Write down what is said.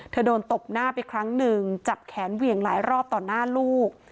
โดนตบหน้าไปครั้งหนึ่งจับแขนเหวี่ยงหลายรอบต่อหน้าลูก